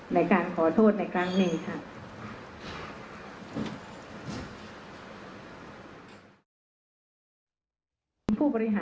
ในการขอโทษในกลางเมฆครับ